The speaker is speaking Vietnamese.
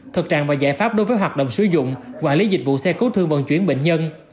thực trạng và giải pháp đối với hoạt động sử dụng quản lý dịch vụ xe cứu thương vận chuyển bệnh nhân